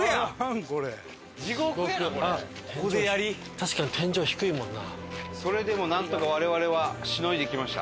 確かに天井低いもんな。